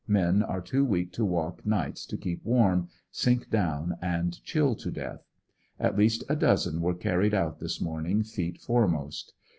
Men are too weak to walk nights to keep warm, sink down and chill to death. At least a dozen were carried out this morning feet foremost.